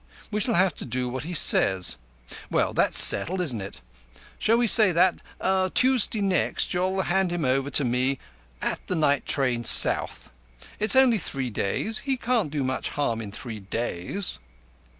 We shall have to do as he says. Well, that's settled, isn't it? Shall we say that, Tuesday next, you'll hand him over to me at the night train south? That's only three days. He can't do much harm in three days."